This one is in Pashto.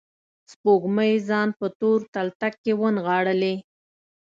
سپوږمۍ ځان په تور تلتک کې ونغاړلي